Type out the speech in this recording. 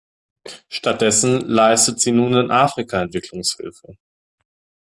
Stattdessen leistet sie nun in Afrika Entwicklungshilfe.